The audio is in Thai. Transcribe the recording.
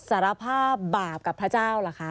สารภาพบาปกับพระเจ้าเหรอคะ